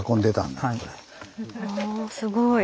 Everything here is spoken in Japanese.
おすごい。